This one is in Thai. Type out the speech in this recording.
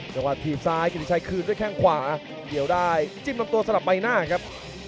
ถีบซ้ายกิริชัยคืนด้วยแข้งขวาเกี่ยวได้จิ้มลำตัวสลับใบหน้าครับ